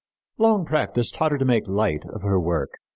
Long practice taught her to make light of her work.